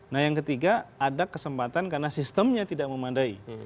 nah yang ketiga ada kesempatan karena sistemnya tidak memadai